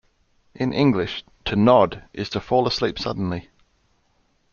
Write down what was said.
In English, "to nod" is to fall asleep suddenly.